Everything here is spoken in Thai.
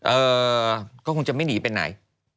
เออก็คงจะไม่หนีไปไหน